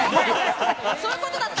そういうことだったんだ。